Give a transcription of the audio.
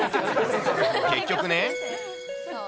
結局ね。